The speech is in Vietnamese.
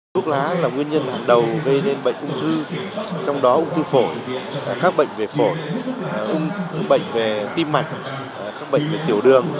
thuốc lá là nguyên nhân hàng đầu gây nên bệnh ung thư trong đó ung thư phổi các bệnh về phổi ung thư bệnh về tim mạch các bệnh về tiểu đường